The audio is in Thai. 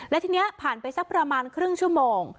และทีนี้ผ่านไปสักประมาณครึ่งชั่วโมง